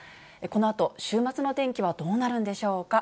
このあと、週末の天気はどうなるんでしょうか。